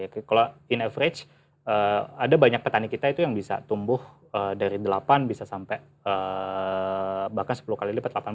kalau in average ada banyak petani kita itu yang bisa tumbuh dari delapan bisa sampai bahkan sepuluh kali lipat